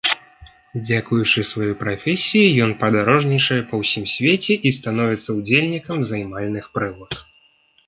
Дзякуючы сваёй прафесіі ён падарожнічае па ўсім свеце і становіцца ўдзельнікам займальных прыгод.